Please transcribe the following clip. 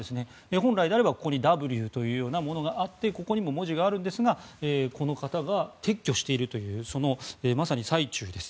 本来であればここに「Ｗ」というようなものがあってここにも文字があるんですがまさに撤去している最中です。